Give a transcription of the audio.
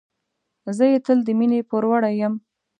زه یې تل د مینې پوروړی یم.